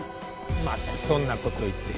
またそんなこと言って。